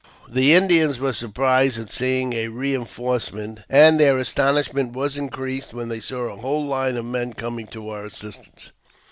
The Indians were surprised at seeing a re enforcement, and their astonishment was increased when they saw a whole line of men coming to our assistance.